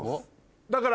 だから。